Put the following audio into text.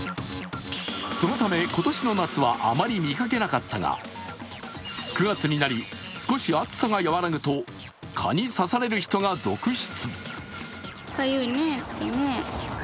そのため今年の夏はあまり見かけなかったが、９月になり少し暑さが和らぐと蚊に刺される人が続出。